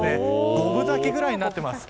五分咲きぐらいになっています。